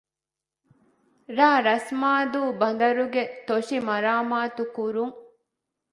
ރ.ރަސްމާދޫ ބަނދަރުގެ ތޮށި މަރާމާތު ކުރުން